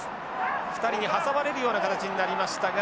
２人に挟まれるような形になりましたが。